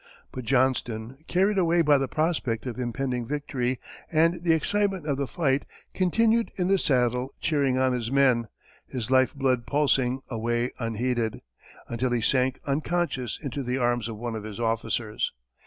But Johnston, carried away by the prospect of impending victory and the excitement of the fight, continued in the saddle cheering on his men, his life blood pulsing away unheeded, until he sank unconscious into the arms of one of his officers.